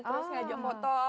terus ngajak foto